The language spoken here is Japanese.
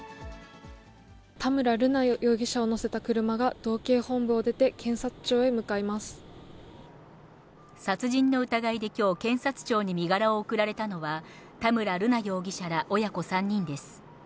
田村瑠奈容疑者を乗せた車が道警本部を出て、検察庁へ向かい殺人の疑いできょう、検察庁に身柄を送られたのは、田村瑠奈容疑者ら親子３人です。